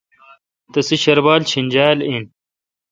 تسے شربال چینجال این۔